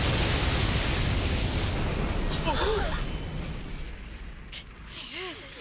あっ！